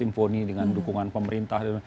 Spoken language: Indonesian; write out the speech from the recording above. simfoni dengan dukungan pemerintah